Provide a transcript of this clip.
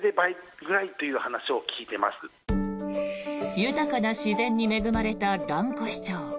豊かな自然に恵まれた蘭越町。